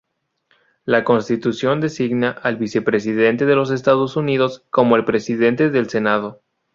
La Constitución designa al Vicepresidente de los Estados Unidos como el Presidente del Senado.